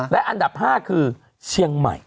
และอันดับ๕คือเชียงใหม่